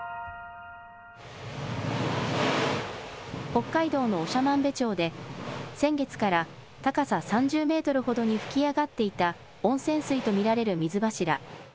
北海道の長万部町で先月から高さ３０メートルほどに噴き上がっていた温泉水と見られる水柱。